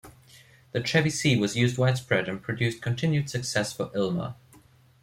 The "Chevy-C" was used widespread, and produced continued success for Ilmor.